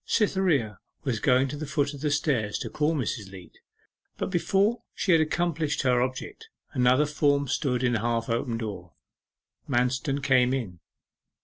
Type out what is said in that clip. Cytherea was going to the foot of the stairs to call Mrs. Leat, but before she had accomplished her object, another form stood at the half open door. Manston came in.